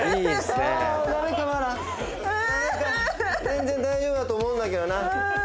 全然大丈夫だと思うんだけどな。